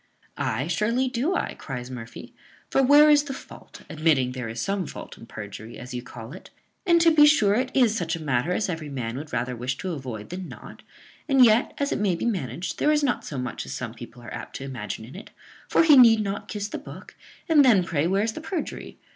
"Ay, surely do I," cries Murphy; "for where is the fault, admitting there is some fault in perjury, as you call it? and, to be sure, it is such a matter as every man would rather wish to avoid than not: and yet, as it may be managed, there is not so much as some people are apt to imagine in it; for he need not kiss the book, and then pray where's the perjury?